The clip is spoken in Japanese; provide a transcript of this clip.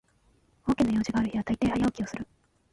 大きな用事がある日はたいてい早起きする